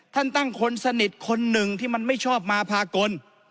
ตั้งคนสนิทคนหนึ่งที่มันไม่ชอบมาพากล